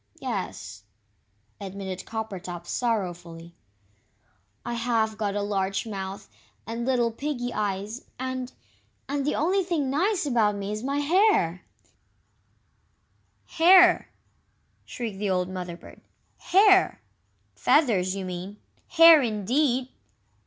"Yes," admitted Coppertop, sorrowfully; "I have got a large mouth and little piggy eyes, and and the only nice thing about me is my hair " "Hair!" shrieked the old Mother bird, "HAIR!! Feathers, you mean. Hair, indeed!